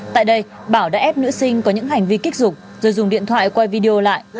tại đây bảo đã ép nữ sinh có những hành vi kích dục rồi dùng điện thoại quay video lại